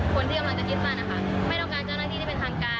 คนที่กำลังจะคิดมานะคะไม่ต้องการเจ้าหน้าที่ที่เป็นทางการ